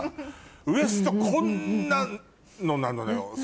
ウエストこんなのなのよ